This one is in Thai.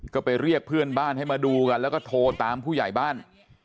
ก็ไปเรียกเพื่อนบ้านให้มาดูกันแล้วก็โทรตามผู้ใหญ่บ้าน